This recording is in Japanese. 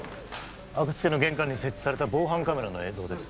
阿久津家の玄関に設置された防犯カメラの映像です